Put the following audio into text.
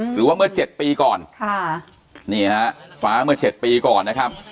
หรือว่าเมื่อเจ็ดปีก่อนค่ะนี่ฮะฟ้าเมื่อเจ็ดปีก่อนนะครับ